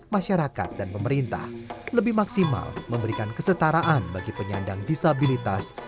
masyarakat dan pemerintah lebih maksimal memberikan kesetaraan bagi penyandang disabilitas